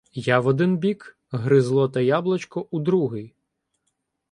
Я — в один бік, Гризло та Яблочко — у другий.